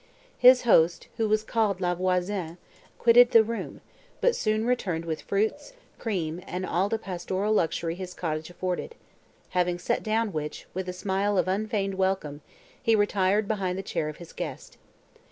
His host, who was called La Voisin, quitted the room, but soon returned with fruits, cream, and all the pastoral luxury his cottage afforded; having set down which, with a smile of unfeigned welcome, he retired behind the chair of his guest.